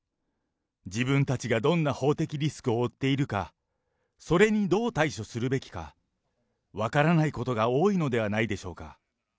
自分たちがどんな法的リスクを負っているか、それにどう対処するべきか、分からないことが多いのではないでしょうか。